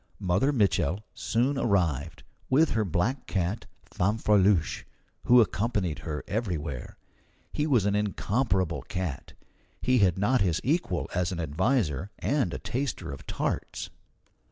Mother Mitchel soon arrived, with her black cat, Fanfreluche, who accompanied her everywhere. He was an incomparable cat. He had not his equal as an adviser and a taster of tarts.